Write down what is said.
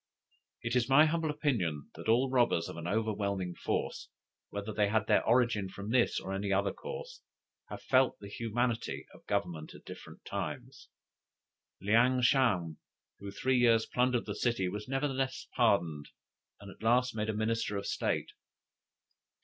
"It is my humble opinion that all robbers of an overpowering force, whether they had their origin from this or any other cause, have felt the humanity of Government at different times. Leang sham, who three times plundered the city, was nevertheless pardoned, and at last made a minister of state.